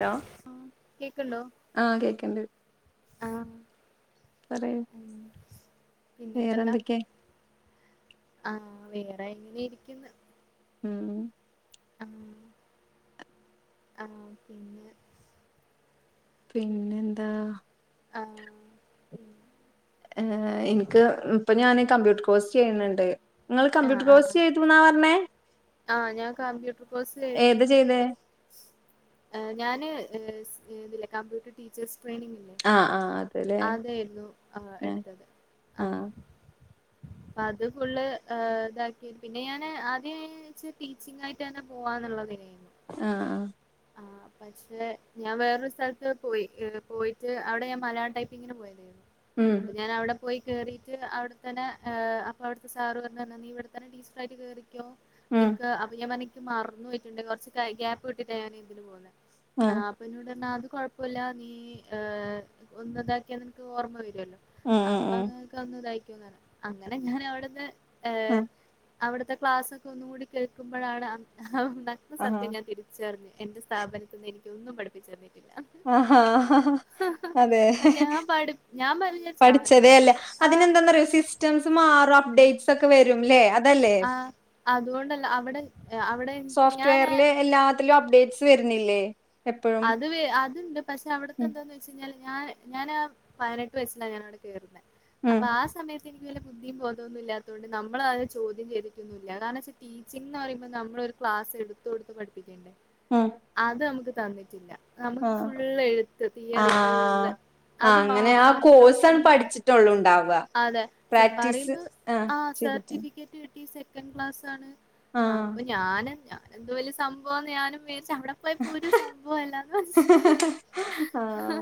Hello ആ കേക്കണ്ടോ ആഹ് കേക്കണ്ട് ആഹ് പറയൂ പിന്നെ എന്തല്ല വേറെന്തൊക്കെ ആഹ് ആ വേറെ എങ്ങനെ ഇരിക്കുന്നു ഉം ആ ആഹ് പിന്നെ പിന്നെ എന്താ ആഹ് ഉ ഏ എനിക്ക് ഉം ഇപ്പൊ ഞാന് കമ്പ്യൂട്ടർ കോഴ്സ് ചിയ്യ്ണ്ൻ എ ങ്ങൾ കമ്പ്യൂട്ടർ കോഴ്സ് ചെയ്തുന്നാ പറഞ്ഞേ ആ ഞാൻ കമ്പ്യൂട്ടർ കോഴ്സ് ഏതാ ചെയ്തിട്ട് ഹ് ചെയ്തേ ഞാന് എസ് എ ന്നില്ലെ കമ്പ്യൂട്ടർ ടീച്ചേഴ്സ് ട്രൈനിങ്ങില്ലേ ആഹ് ആഹ് അതല്ലേ അതേരുന്നു ആ ആഹ് എടുത്തത് ആ ആഹ് അത് ഫുള്ള് ആ താക്കി പിന്നെ ഞാന് ആദ്യ ച്ച് ടീച്ചിങ്ങായിട്ടന്നെ പോവാന്ന്ള്ള തയ്ന് ആ ആ ആ പക്ഷെ ഞാൻ വേറൊരു സ്ഥലത്ത് പോയി പോയിട്ട് അവിടെ ഞാൻ മലയാള ടൈപ്പ്ങ്ങനെ പോയതായിരുന്നു ഉം അപ്പൊ ഞാനവടെ പോയി കേറീട്ട് അവിടെത്തനെ ഹ് അപ്പൊ അവിട്ത്തെ സാറ് പറഞ്ഞെന്താ നീ ഇവിടെത്തന്നെ ടീച്ചറായിട്ട് കേറി ക്കോ ഉം നിൻക്ക് അപ്പൊ ഞാൻ പറഞ്ഞു ത് മറന്നു പോയിട്ടുണ്ട് കുറച്ച് കാ ഗ്യാപ് ട്ട് താണ് ഇതിന് പോന്നെ ആ ആഹ് അപ്പൊന്നോട്ർഞ്ഞാത് കൊഴപ്പൊല്ല നീ ഹ് ഒന്നതാക്കിയാ നിനക്ക് ഓർമ്മ വരും പിന്നെ ഉം ഉം അപ്പൊ ഉം അങ്ങനൊക്കെ ഒന്ന് താക് അങ്ങനെങ്ങനെ അവിടുന്ന് ഏ ആഹ് അവിടുത്തെ ക്ലാസ്സൊക്കെ ഒന്നു കൂടി കേൾക്കുമ്പോഴാണ് ഔ നഗ്നസത്യ ആഹ് ഞാൻ കരു ജെ റിഞ്ഞു എന്റെ സ്ഥാപനത്തിന്ന് എനിക്കൊന്നും പഠിപ്പിച്ചെർണില്ല ആഹാ അതെ ഞാൻ പഠി ഞാൻ വിചാരിച്ച് ആ പഠിച്ചതേ അല്ല സംഭവം ആ അതിനെന്താന്നറിയോ അതാണ് സിസ്റ്റംസ് മാറു അപ്ഡേറ്റ് തൊക്കെ വരും ആ അതുകൊണ്ടല്ല അവിടെ അവിടെ എനിക്ക് ഞാന് ത്ത് വർണില്ലേ അത് വെ അത് പക്ഷെ അടുത്തെ ഉം എന്താന്ന് വെച്ച് കയ്ഞ്ഞാൽ ഞാൻ ഞാന് പതിനെട്ട് വയസ്സിലാണ് ഞാനവിടെ കേറുന്നത് ഉം അപ്പൊ ആ സമയത്ത് പ്പൊ എനിക്ക് വല്ല ബുദ്ധീ ബോധോന്നുല്ലാത്തോണ്ട് നമ്മളാ അ ചോദ്യം ചെയ്തിക്കൊന്നൂല്ല ന്താന്ന് വെച്ചാ ടീച്ചിങ്ന്ന് പറയുമ്പോ നമ്മളൊരു ക്ലാസ് എടുത്തൊടുത്ത് പഠപ്പിക്കേണ്ടേ ഉം അത മ്മുക്ക് താ ന്നെ നമുക്ക് ആഹ് ഫുള് എഴുത്ത് തീയറി ആഹ് ഫുള്ള് ആഹ് അത് അങ്ങനെ ആ മാത്രം കോഴ്സാണ് പഠിച്ചിട്ടുള്ളൂ ഉണ്ടാവുക അതെ പ്രാക്ടീസ് പറയുമ്പോ ആഹ് ആ ചെയ്തിട്ട് സർട്ടിഫിക്കറ്റ് കിട്ടി സെക്കൻ് ക്ലാസ്സണ് ആ ആഹ് അപ്പൊ ഞാനഞ എന്തതു വലിയ സംഭവം ഞാനും ച വടെ പോയ പോ ഒരു സ ആഹ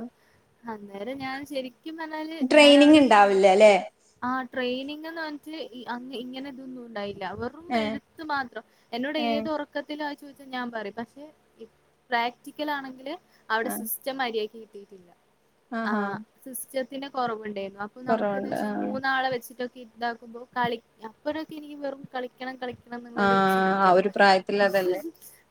അന്നേരം ഞാൻ ശരി ക്കും പറാല് ഞാൻ ട്രെയിനിങ് അവിടെന്ന് ഉണ്ടാവില്ല ഇണ്ടായിട്ട് അല്ലെ ആ ട്രെയിനിങ്ന്ന് പറഞ്ഞിട്ട് അ ഇങ്ങനെ ഇതൊന്നും ഉണ്ടായിില്ല ള വെറും ഏഹ് എഴുത്ത് മാത്രം എന്നോട് ഏഹ് ഏത് ഉറക്കത്തില ഞാൻ പറയും പഷേ ചറ്റിക്കലാണെങ്കില് അവിടെ ആഹ് സിസ്റ്റർമാരിയാക്കി കിട്ടിട്ടില്ല ആ ആഹാ സിസ്റ്റർ ത്തിന്റെ കുറവുണ്ടായിരുന്നു അപ്പ നമുക്ക് കൊറവുണ്ട് വെച് ആഹ് മൂന്നാളെ വെച്ചിട്ട് ഇതാക്കുമ്പോ കളി അപ്പോരു കിനി വെറും കളിക്കണം കളി ന്നൊരു ആഹ് ചിന്ത ആ ഒരു പ്രായത്തിൽ അതല്ലേ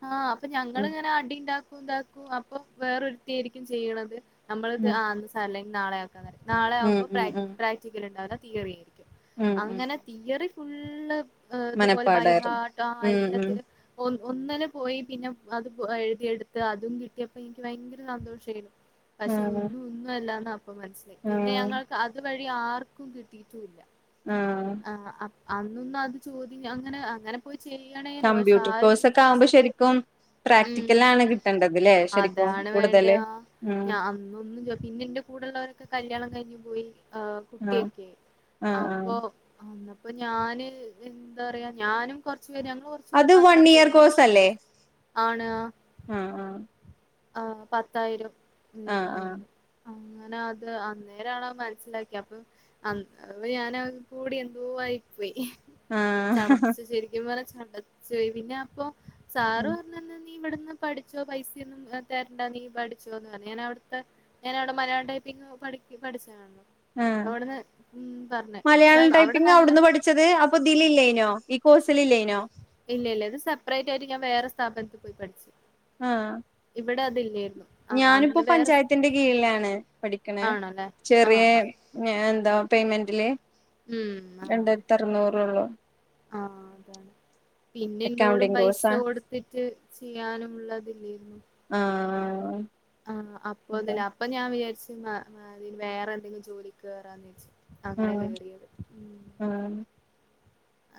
ആ അപ്പൊ ഞങ്ങള് ഉം ങ്ങന മ്മ്ഹ് മ്മ്ഹ് അടിണ്ടാ ഉണ്ടാക്കും അപ്പൊ വേറൊരുത്തി ആയിരിക്കും ചെയ്യണത് നമ്മളത് ഉം ആന്ന് സ്ഥല നാളെ നാളെ ഉം ആകുമ്പോ പ്ര ഉം ഉം പ്രാക്ടിക്കല് ണ്ടാടെ തീയറി ഉം ഉം അങ്ങനെ തീയറി ഉള്ള് ഇതുപോലെ മനപ്പാടായിരുന്നു ബൈഹാട്ട് ആ ഉം ഉം എല്ലാത്തിലും ഒ ഒന്നിന് പോയി പിന്ന അത് എഴുതിയ എടുത്തു അതും കിട്ടിയപ്പോ എനിക്ക് ഭയങ്കര സന്തോഷയിരുന്നു പക്ഷെ ആഹ് ഒന്നും ഒന്നും അല്ലാന്ന അ മനസ്സിലായി പിന്നെ ആഹ് ഞങ്ങൾക്ക് അത് വഴി ആർക്കും കിട്ടിയിട്ടുല്ല ആ അന്നത് അത് ചോതി അങ്ങന അങ്ങന പോയി ചിന്ന്ണെനോ കമ്പ്യൂട്ടർ സാര് കോഴ്സ് ഒക്കെ ആവുമ്പോ ശരിക്കും മം പ്രാക്ടിക്കലാണ് കിട്ടേണ്ടത് ല്ലേ ശരിക്കും അതാണ് വേണ്ട കൂടുതല് ഉം ഞ അന്നൊന്നും പിന്നെ എന്റെ കൂടെള്ളവരക്കെ കല്യാണം കഴിഞ്ഞു [unintelligible] ആ ആഹ് കുട്ടിയൊക്കെ ആഹ് ആഹ് അപ്പൊ അപ്പ ഞാന് എന്താ പറയാ ഞാനും കൊ ഞ കുറച്ചു പേര് അത് വൺ മാത്രണ് ജോലില്ല ആണ് ആ ആ ആ ആ പത്തായിരം മം മം ആഹ് അങ്ങനെ അത് അന്നേരണ മനസ്സിലാക്കിയേ അപ്പൊ ഞാൻ കൂടി എന്തോ ആയി പോയി ആഹ് ചടച്ച് ശരിക്കും പറ കണ്ടച്ചയി പിന്നെ അപ്പൊ ആഹ് സാറും നന്നേ നീ ഇവിടുന്ന് പഠിച്ചോ പൈസയൊന്നും [unintelligible] ഞാൻ അവിടത്ത ഞാൻ അവിട മലയാളം ടൈപ്പിങ് പഠിക്ക പഠിച്ചു ആഹ് പക്ഷെ മലയാളം അവിടെ ടൈപ്പിങ് നല്ല അവിടന്നാ പഠിച്ചത് അപ്പ ഇതിലില്ലേനു കോഴ്സിലില്ലെനു ഇല്ല ഇല്ല ഇത് സെപ്പറേറ്റയായിട്ട് ഞൻ വേറെ സ്ഥാപനത്തിന്ന് പഠിച്ചതാ ആഹ് ഇവിടതില്ലേ ഞാൻ ഇപ്പൊ പഞ്ചായത്തിന്റെ കീഴിലാണ് പഠി ആണല്ലേ ചെറിയ ആഹ് ഞാൻ ന്താ പെയ്മെന്റിലെ ഉം ആഹ് രണ്ട് എത്ര നൂറേ ഒള്ളു ആഹ് പിന്നെ എന്റോട് അക്കൗണ്ടിങ് പൈസ കോഴ്സാ കൊടുത്തിട്ട് ചെയ്യാനും [unintelligible] ആഹ് ആഹ് അപ്പോ ഞാൻ വിചാരിച്ചു ആഹ് വേറെന്തെങ്കിലും ജോലിക്ക് കേറാന്ന് വിചാരിച്ചു ആ അങ്ങനന്നെ ആഹ് കേറിയത് ആഹ്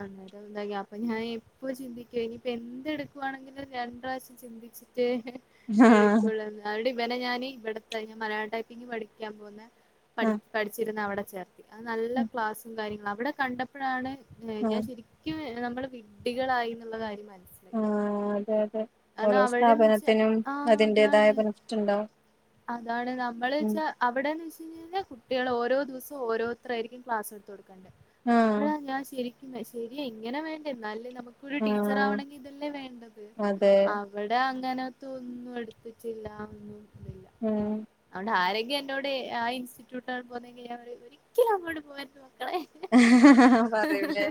അന്നേരം ന്താ ഞാൻഎപ്പം ചിന്തിക്കുവെനി എന്തെടുക്കുവാണേലും രണ്ട് പ്രാവശ്യം ചിന്തിച്ചിട്ട് എടുക്കോള്ളെന്ന് അടി മെനങ്ങാന്ന് ഇവിടത്തെ ഞാൻ മലയാളം ടൈപ്പിംഗ് പഠിക്കാൻ പോകുന്ന പഠി പഠിച്ചിരുന്നവിടെ [unintelligible] അത് നല്ല ആഹ് ക്ലാസും കാര്യങ്ങളാ ഇവിട കണ്ടപ്പഴാണ് ഞാൻ ആഹ് ശരിക്കുമെ നമ്മൾ വിഡ്ഢികളായിന്ന്ള്ള കാര്യം മന ആ അതെ അതെ ഓരോ അവിടെന്ന് വെച്ചാ സ്ഥാപനത്തിനും ആ അതിന്റേതായ അതാണ് ബെനഫിറ്റ് ഇണ്ടാവും അതാണ് നമ്മൾ ച്ചാ അവിടെന്ന് വച്ചാ കുട്ടികൾ ഓരോ ദിവസവും ഓരോരുത്തരാരിക്കും ക്ലാസ് എടുത്തൊടു ആഹ് അപ്പോഴാ ഞാൻ ശരിക്കും ശെരിയാ ഇങ്ങനെ വരണ്ടേ എന്നാലല്ലി നമു ക്ക് ഒരു ടീച്ചർ ആഹ് ആവണെങ്കി ഇതല്ലേ വേണ്ടത് അതെ അവിടെ അ തിനകത്തു ഒന്നും എടുത്തിട്ടില്ല ഒന്നും മ് ങ്കി എന്നോട് ആ ഇൻസ്റ്റിറ്റ്യൂട്ട് ഒരിക്കലും അങ്ങൊട് പോകരു പറയൂലേ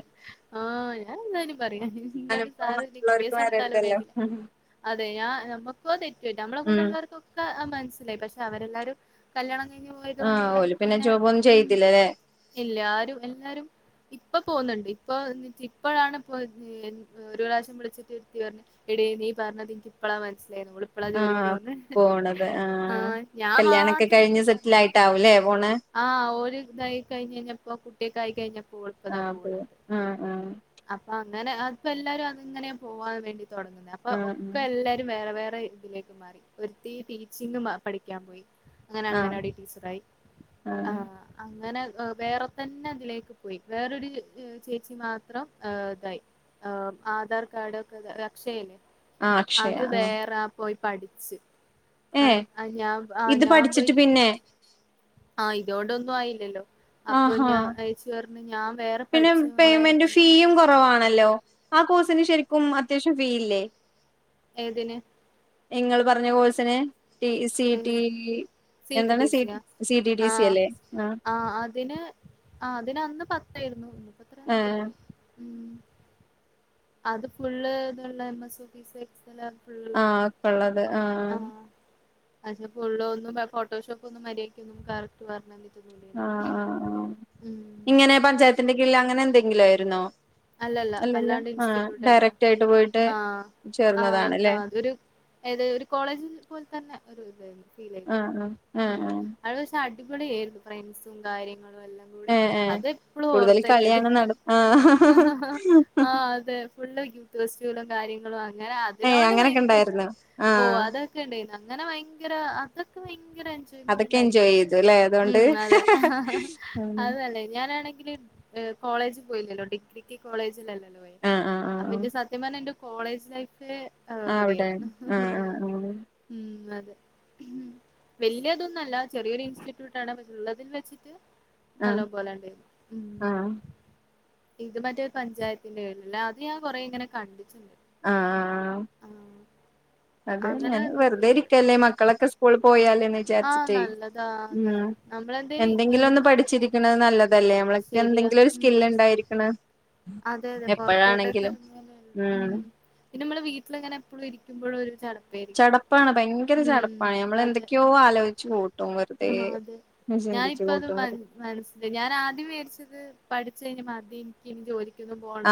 ആ ഞാൻന്തായാലും പറയാ നിന്നോട് സാ അനുഭവം കേസ മറ്റുള്ളവർക്ക് കൊടുത്താലും വരരുതല്ലോ വേണ്ട അത നമുക്ക നമ്മള ഉം കൂടുള്ളവർക്ക പഞ്ച് പക്ഷെ അവരെല്ലാരും കല്യാണം കഴിഞ്ഞ് ആ പോയതുകൊണ്ട് ഓല് അവർക്ക് പിന്നെ ജോബൊ ഒന്നും ഉം ചെയ്ത്തില്ലല്ലേ ഇല്ല ആരും എല്ലാരും ഇപ്പ പോകുന്നുണ്ട് ഇപ്പൊ ഇപ്പോഴാണ് ഒരു പ്രാവശ്യം വിളിച്ചിട്ട് ഇരുത്തി പറഞ്ഞ എട നീ പറഞ്ഞത് എനിക്ക ഇപ്പഴാ മനസ്സ ഏ ഓള് ഇപ്പഴാ ജോലിക്ക്‌ ആഹ് പോവുന്നെ പോണത് ആ ആഹ് ഞാൻ കല്യാണൊക്കെ മാത്രം ഇങ്ങനെ കഴിഞ്ഞ് സെറ്റിൽ പറഞ്ഞു ആയിട്ടാവൂലേ പോണെ ആ ഒരു ഇതായി കഴിഞ്ഞഞ് കഴിഞ്ഞപ്പോ കുട്ടികക്കായി കഴിഞ്ഞപ്പോ ഉഴപ്പതാ ആഹ് പോവാ പോണണ്ട് ആഹ് ആഹ് അപ്പ അങ്ങനെ അപ്പപ്പോ എല്ലാരും അത് എങ്ങനെ പോവാൻ വേണ്ടിട്ട തുടങ്ങുന്നത് അപ്പൊ ആഹ് ഒക്കെ എല്ലാരും വേറെ വേറെ ഇതിലേക്ക് മാറി ഒരു തീ സിങ്ങമ പഠിക്കാൻ പോയി അങ്ങനെ ആഹ് ആഹ് അങ്ങനെ ടീച്ചറായി ആ ആഹ് അങ്ങനെ വേറെ തന്നെ അതിലേക്ക് പോയി വേറൊരു ചേച്ചി മാത്രം ഇതായി ആധാർ കാർഡ ഒക്കെ അക്ഷയല്ലേ ആ അക്ഷയ അത് ആ വേറെ പോയി പഠിച്ച് ആ ഞാൻ ആ ഇത് ഞാൻ പോയി പഠിച്ചിട്ട് പിന്നെ ആ ഇതോടെൊന്നും ആയില്ലല്ലോ അപ്പൊ ആഹാ ഞാ അയ്ച്ചു വർ പിന്നെ ഞാ പിന്നെ പേയ്മെന്റ് ഫീയും കൊറവാണല്ലോ ആ കോഴ്സിന് ശെരിക്കും അത്യാവശ്യം ഫീ യില്ലേ ഏതിന് നിങ്ങൾ പറഞ്ഞ കോഴ്സിന് T C T C T എന്താണ് ടി സിയ സി ടി ടി ആ സി അല്ലേ ആ അതിന് ആ അതിന ന്ന് പത്തായിരുന്നു ഇന്നിപ്പോ ആ എത്രയാന്ന് എനിക്കറിയില്ല ഉം അത് ഫുള്ള് ഇതള്ളെ എം എസ് ഓഫീസ് എക്സലാ ആ ഒക്കള്ളത് ആ പക്ഷേ ഫുള്ളൊന്നും പ ഫോട്ടോഷോപ്പൊന്നും മര്യാ യിക്കൊന്നും കറക്റ്റ് പർഞ്ഞന്നി ആ ആ ആ ഇങ്ങനെ പഞ്ചായത്തിന്റെ കീഴ്‌ല് അങ്ങനെന്തെ ങ്കിലായിരുന്നോ അല്ലല്ല അല്ലാണ്ട് ഇസ്റ്റിറ്റ്യട്ടെന്ന്യാ ഡയറക്റ്റ് ആയിട്ട് പോയിട്ട് ആ ആ ആ ചേർന്നതാണല്ലേ തൊരു അത് ഒരു കോളേജ് പോല് തന്നെ ഒരു ഇതായിരുന്നു ആ ഫീലായിരുന്നു ആ ആ ആ അവടെ പക്ഷേ അടി ഇവടെയായിരുന്നു ഫ്രണ്ട്സും കാര്യ ങ്ങളും എല്ലാം കൂടി ഏ ഏ അതെപ്പള്ളും കൂടുതൽ ഓർത്തക്കത് കളിയാണ് നട ആ ആ അതെ ഫുള്ള് യൂത്ത് ഫെസ്റ്റിവലും കാര്യ ങ്ങളാ അങ്ങനെ ഏ അതിനോണ്ട് അങ്ങനൊക്കെ ഭയങ്കര ഉണ്ടായിരുന്നോ ആ ഓ അതൊക്കെണ്ടെന്ന അങ്ങനെ ഭയങ്കര അതൊക്കെ ഭയ ങ്കര എൻജോയ്മെൻ്റും അതൊക്കെ എൻജോയ് കാര്യായിരുന്നു ചെയ്തു അല്ലേ അതുകൊണ്ട് ഉം അതെ ഉം അതല്ലെ ഞാനാണെങ്കില് അ് കോളേജ് പോയിലല്ലോ ഡി ഇടിക്കി കോളേജിലല്ലേ ആഹ് ആഹ് [unintelligible] ആഹ് അപ്പൊ ആഹ് ന്റെ സത്യം പർഞ്ഞ ന്റെ കോളേജ് ലൈഫ് ആ ആഹ് അവിടെയാണ് അവിടെയായിരുന്നു ആഹ് ആഹ് ഉം അതെ വല്യതൊന്നല്ല ചെറിയൊരു ഇൻസ്റ്റിറ്റ്യൂട്ടാണ് പക്ഷെള്ളതിൽ വെച്ചിട്ട് ആഹ് നല്ലോം പോലെ ണ്ടെന്നു ഉം ആഹ് ഇത് മറ്റേ പഞ്ചായത്തിന്റെ പേരിലില്ലെ അത് ഞാൻ കൊറെ ഇങ്ങനെ കണ്ട് ആ ആ ആ അത് അങ്ങനെ ഞാൻ വെറ്തെ ഇതൊക്കെയുണ്ട് ഇരിക്കല്ലേ ഉം മക്കളൊക്കെ സ്കൂൾ പോയാലന്ന് ആഹ് വിചാരിച്ചിട്ട് നല്ലതാ അതെ നമ്മളെന്തേലും ഏഹ് ഉംഎന്തെങ്കിലൊന്ന് പഠിച്ചിരിക്കണ് നല്ലത ശരിയാ എന്തെങ്കിലൊരു സ്കില് ഉം ണ്ടായിരിക്കണ് അതെ അതെ എപ്പഴാണെങ്കിലും ഉം പിന്ന നമ്മള് വീട്ടിൽ ഇങ്ങനെ എപ്പളും ഇരിക്കുമ്പോഴൊരു ചട ചടപ്പാണ്, ഭയങ്കര ചടപ്പാണ്, നമ്മൾ എന്തൊക്കെയോ ആലോചിച്ച് കൂട് ആ അതെ ഞാനിപ്പ അത് കൂട്ടും മന് മനസ്സില് ഞാൻ ആദ്യം വെരിച്ചത് പഠി ച്ച് കഴിഞ്ഞ് മതി എനിക്ക് ഇനി ജോലി ആ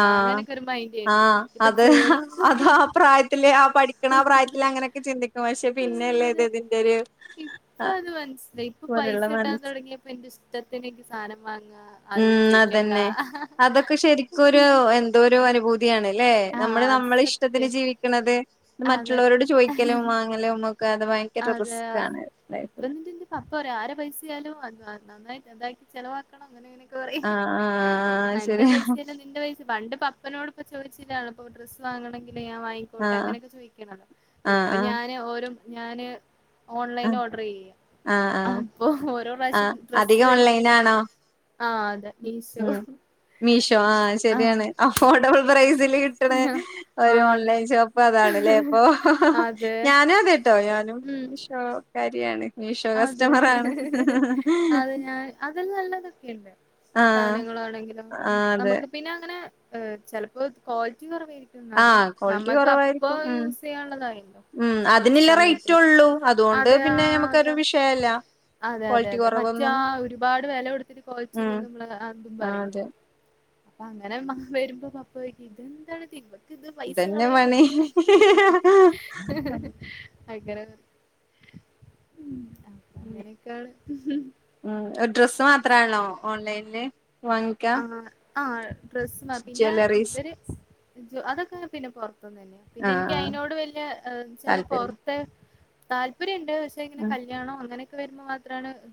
ആ ഇപ്പൊ അത് ജോലിക്ക് അത് ആ പ്രായത്തില് ആ പഠിക്കണ ആ പ്രായത്തില് അങ്ങനെയൊക്കെ ചിന്തിക്കും പക്ഷേ ഉം പിന്നെല്ലേ ഇത് അതെ ഇതിന്റെ ഒര് ആ അത് മനസ്സിലായി ഇപ്പ പൈസ പോലുള്ള കിട്ടാൻ മനസ്സ് തൊടങ്ങിയപ്പോ എന്റെ ഇഷ്ടത്തിന് എനിക്ക് സാനം വാങ്ങ ഉം അതന്നെ അതൊക്കെ ശരിക്കുരു എന്തോ ഒരു അനുഭൂതിയാണ്. ല്ലെ ആഹ് നമ്മള് അത് നമ്മള ഇഷ്ടത്തിന് സത്യം ജീവിക്കണത്. അതെ മറ്റുള്ളവരോട് ചോദിക്കലും വാങ്ങലും മ്മ ക്ക അത് ഭയങ്കര അതെ റിസ്ക്കാണ് ലൈഫില്. ഇപ്പ ആര പൈസയാലും അത് [unintelligible] ഇതാക്കി ചെലവാക്കണം അങ്ങനെങ്ങനെ ക്ക് പറയും ആഹ് ആഹ് എന്റെ ശരി പൈസ അല്ല നിന്റെ പൈസ പണ്ട് പപ്പനോട് ഇപ്പ ചോദിച്ചിട്ടാണല്ലോ ഇപ്പ ഡ്രസ്സ് വാങ്ങണെങ് പിന്നെ ഞാൻ വാങ്ങിക്കോട്ടെ ആഹ് അങ്ങനൊക്കെ ചോയ്ക്കാണല്ലോ ആഹ് ഇപ്പ ആഹ് ഞാന് ഓരോ ഞാന് ഓൺലൈൻ ആഹ് ഓർഡർ ചെയ്യാ, ആഹ് അപ്പോ ഓരോ പ്രാവശ്യം ആഹ് ഡ്രസ് അധികം വരുമ്പോ ഓൺലൈൻ ആണോ ആ അതെ മീശോ ഉം മീഷോ ആ ഇതില് കിട്ടണെ ഒരു ഓൺലൈൻ ഷോപ്പ് അതാണല്ലേ അപ്പോ, അതെ ഞാനും [unintelligible] ട്ടോ ഞാനും മിഷ് കാര്യാണ്. അതേ [unintelligible] അതില് നല്ലതൊക്കെ ഇണ്ട്. ആഹ് സാധനങ്ങളാണെങ്കിലും ആ ആ, [unintelligible] അതെ നമുക്ക് പിന്നെ അങ്ങനെ ഏ ചെലപ്പോ ക്വാളിറ്റി കൊറവെയി ആ ക്വാളിറ്റി കുറവായിരിക്കും, മ് യൂസ് ചെയ്യാനുള്ളതായല്ലോ മ് കുറച്ച് അതിനിള്ള റേറ്റ് സമയത്തേക്ക് ഒള്ളൂ, അത്കൊണ്ട് അതെ ആ പിന്നെ നമുക്ക് ഒര് അതാ വിഷ് അതെ അതെ മറ്റേ ആ ഒരുപാട് വെല കൊടുത്തിട്ട് ക്വാളിറ്റി ഉം ഇല്ലെങ്കിൽ നമ്മൾ അതും ആ പറയില്ലേ. അതെ അപ്പ അങ്ങനെ മ്മ വരുമ്പ പപ്പ ചോദിക്കും ഇതെന്താണിത് ഇവ ക്ക് ഇത് പൈസ ഇതന്നെ പണി കളയുന്നന്നെ പണി. ഉം [unintelligible] മ് മ് ഡ്രസ്സ് മാത്രാണോ? ഓൺലൈനില് വാങ്ങിക്ക ആ ആഴ് ഡ്രസ്സ് മാ പിന്നെ ഇവര് [unintelligible] അതൊക്കെ അങ്ങനെ തന്നെ പൊറ [unintelligible] പിന്നെ ആഹ് എനിക്ക് ആഹ് അയിനോട് വല്യ ചാല് താല്പര്യം പൊറത്ത് താല്പര്യയി [unintelligible] ആഹ് കല്യാണം അങ്ങനെ [unintelligible]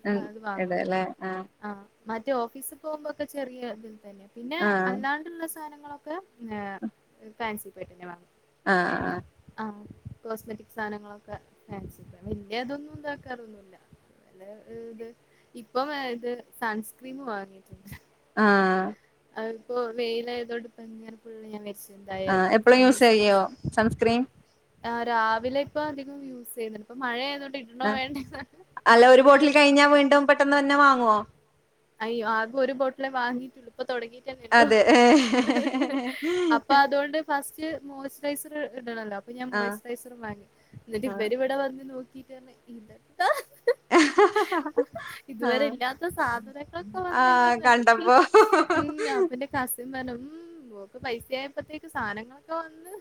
ആഹ് [unintelligible] ഇത് വാങ്ങുന്നു ഇടല്ലേ ആഹ് മറ്റെ ഓഫീസി പോകുമ്പോ [unintelligible] ചെറിയ [unintelligible] പിന്നെ ആഹ് അല്ലാണ്ട് ഉള്ള സ് [unintelligible] ആഹ് [unintelligible] ആഹ് [unintelligible] കോസ്മെറ്റിക്സ് സാധനങ്ങളൊക്കെ [unintelligible] വല്യ ഇതൊന്നും ഇത് ആക്കാറൊന്നും ഇല്ല, അല്ല ഇത് ഇപ്പോ വെ ഇത് സൺ സ്ക്രീമ് വാങ്ങിയിട്ട് ആഹ് അതിപ്പോ വെയിൽ ആയതു കൊണ്ട് [unintelligible] ഫുള്ള് ഞാൻ വേടിച്ചു ആഹ് എപ്പളും യൂസ് യ്യോ സൺസ്ക്രീൻ ആഹ് രാവിലെ ഇപ്പൊ അധികം യൂസ് ചെയ്യുണ്ട് ഇപ്പം മഴയായതൊണ്ട് ആ അല്ല ഒരു ബോട്ടിൽ കഴിഞ്ഞാ വീണ്ടും ട്ടന്നെന്നെ വാങ്ങുവോ അയ്യോ ആകെ ഒരു ബോട്ടിലേ വാങ്ങീട്ടുള്ളൂ ഇപ്പ തുടങ്ങിട്ടന്നല്ലോ അതെ ഹ് ഹ് ഹ്‌ അപ്പൊ അതുകൊണ്ട് ഫസ്റ്റ് മോയ്സ്ചറൈസർ ഇടണല്ലോ അപ്പൊ ഞാൻ ആഹ് മോയ്സ്ചറൈസർ വാങ്ങി എന്നിട്ട് ആഹ് ഇവരി ഇവിടെ വന്ന് നോക്കി ഇതന്ന ഇന്ത ഹഹഹ ഇതുവരെ ആഹ് ഇല്ലാത്ത സാധനങ്ങളൊക്കെ ആഹ് വന്നല്ലോന്ന് കണ്ടപ്പോ ഉം അപ്പ എന്റെ കസിൻ പറഞ്ഞു ഉം.. നോക്ക് പൈസയായപ്പോത്തേക്ക് സാധനങ്ങളൊക്കെ വന്ന്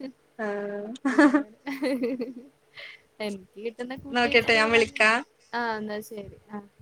ഹ് ആഹ് അയ്യോ ഹ് ഹ് ഹ് എനിക്ക് ന്ന് കുട്ടിവച്ച നോക്കട്ടെ ഞാൻ വിളിക്കാ [unintelligible] എന്ന ശരി ശരി ആ